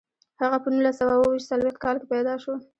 هغه په نولس سوه اووه څلویښت کال کې پیدا شو.